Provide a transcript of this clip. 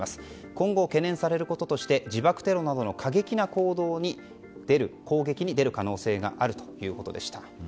今後、懸念されることとして自爆テロなどの過激な攻撃に出る可能性があるということでした。